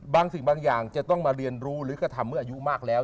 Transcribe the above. สิ่งบางอย่างจะต้องมาเรียนรู้หรือกระทำเมื่ออายุมากแล้ว